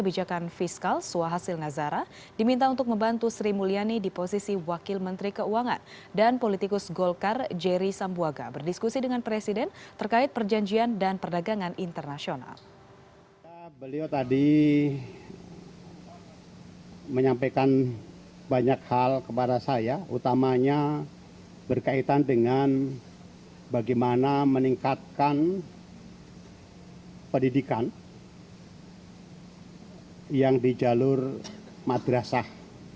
beliau tadi menyampaikan banyak hal kepada saya utamanya berkaitan dengan bagaimana meningkatkan pendidikan yang di jalur madrasah